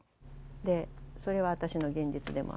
でそれは私の現実でもあるし。